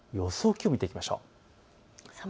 気温を見ていきましょう。